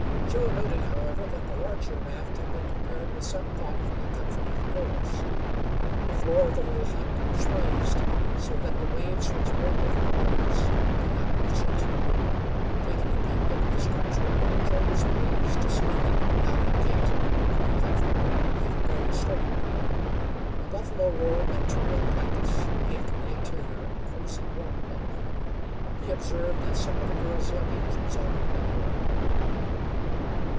Joe noted, however, that the larger raft had been prepared with some thought for the comfort of the girls. The floor of the little hut was raised so that the waves which broke over the logs could not reach it. Taking a peep into the structure, Joe was pleased to see that Nell and Kate would be comfortable, even during a storm. A buffalo robe and two red blankets gave to the interior a cozy, warm look. He observed that some of the girls' luggage was already on board.